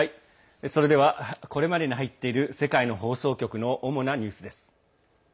それではこれまでに入っている世界の放送局の主なニュースです。